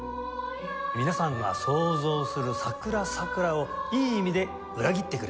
皆さんが想像する『さくらさくら』をいい意味で裏切ってくれます。